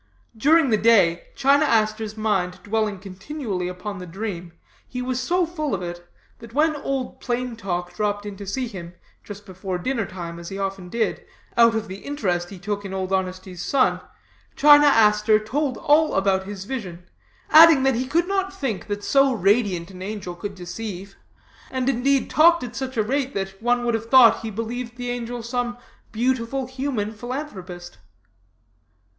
During the day, China Aster's mind dwelling continually upon the dream, he was so full of it, that when Old Plain Talk dropped in to see him, just before dinnertime, as he often did, out of the interest he took in Old Honesty's son, China Aster told all about his vision, adding that he could not think that so radiant an angel could deceive; and, indeed, talked at such a rate that one would have thought he believed the angel some beautiful human philanthropist.